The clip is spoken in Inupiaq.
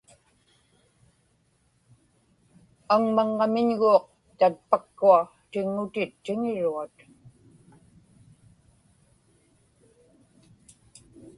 aŋmaŋŋamiñguuq tatpakkua tiŋŋutit tiŋiruat